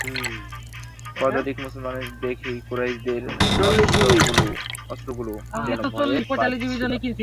পদাতিক মুসলমানদের দেখে কুরাইশদের অশ্বগুলোও যেন ভয় পাচ্ছিল।